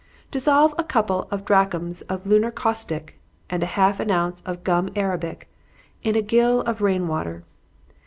_ Dissolve a couple of drachms of lunar caustic, and half an ounce of gum arabic, in a gill of rain water.